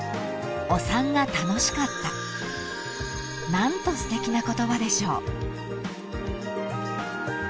［何とすてきな言葉でしょう］